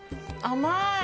甘い！